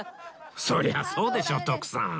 そりゃそうでしょ徳さん